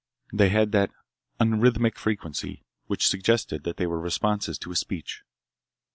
They had that unrhythmic frequency which suggested that they were responses to a speech.